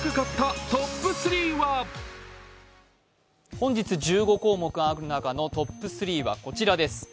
本日１５項目ある中のトップ３はこちらです。